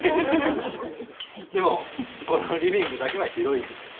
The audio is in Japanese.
でもこのリビングだけは広いんですよ。